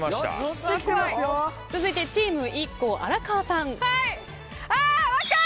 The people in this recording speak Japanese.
続いてチームＩＫＫＯ荒川さん。